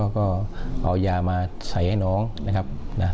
ก็เอายามาใส่ให้น้องนะครับนะ